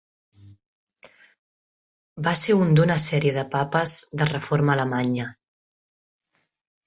Va ser un d'una sèrie de papes de reforma alemanya.